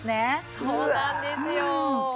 そうなんですよ。